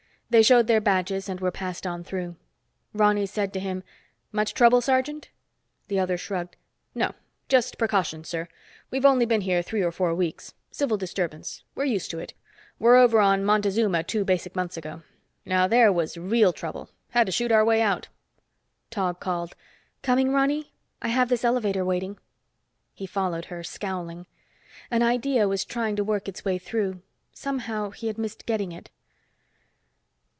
They showed their badges and were passed on through. Ronny said to him, "Much trouble, sergeant?" The other shrugged. "No. Just precautions, sir. We've been here only three or four weeks. Civil disturbance. We're used to it. Were over on Montezuma two basic months ago. Now there was real trouble. Had to shoot our way out." Tog called, "Coming Ronny? I have this elevator waiting." He followed her, scowling. An idea was trying to work its way through. Somehow he missed getting it.